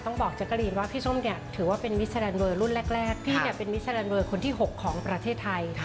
ต้องบอกว่านางงานสมัยก่อนอายุน้อย